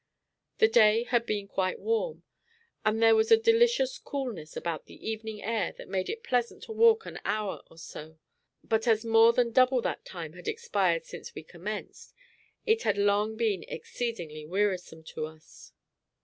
The day had been quite warm, and there was a delicious coolness about the evening air that made it pleasant to walk an hour or so; but as more than double that time had expired since we commenced, it had long been exceedingly wearisome to us.